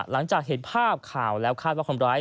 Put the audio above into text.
หลังจากเห็นภาพข่าวแล้วคาดว่าคนร้าย